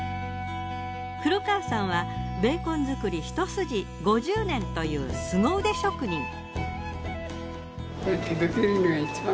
黒川さんはベーコン作り一筋５０年というすご腕職人。